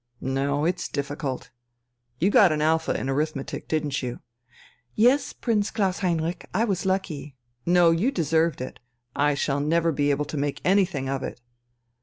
"No, it's difficult.... You got an alpha in arithmetic, didn't you?" "Yes, Prince Klaus Heinrich, I was lucky." "No, you deserved it. I shall never be able to make anything of it!"